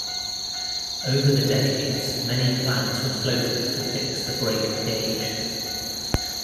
Over the decades, many plans were floated to fix the break of gauge.